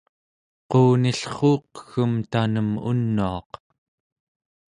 quunillruuq-ggem tanem unuaq